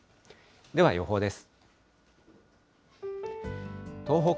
では予報です。